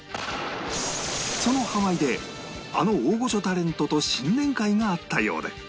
そのハワイであの大御所タレントと新年会があったようで